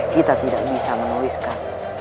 kita tidak bisa menuliskan